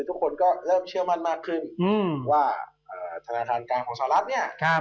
ทุกคนก็เริ่มเชื่อมั่นมากขึ้นอืมว่าเอ่อธนาทางการของสหรัฐเนี้ยครับ